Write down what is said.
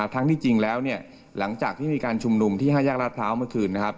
ทั้งที่จริงแล้วหลังจากที่มีการชุมนุมที่ห้ายากลาดพร้าวเมื่อคืน